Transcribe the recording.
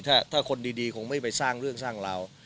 ถ้าคนดีคงไม่ไปสร้างเรื่องสร้างราว